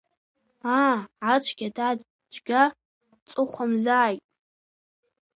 Аа, ацәгьа, дад, цәгьа ҵыхәамзааит.